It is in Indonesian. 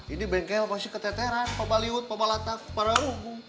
ini bengkel pasti keteteran pak baliwud pak balatak para umum